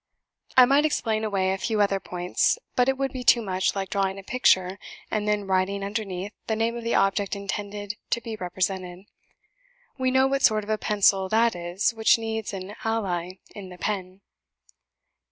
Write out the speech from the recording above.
I might explain away a few other points, but it would be too much like drawing a picture and then writing underneath the name of the object intended to be represented. We know what sort of a pencil that is which needs an ally in the pen.